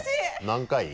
何回？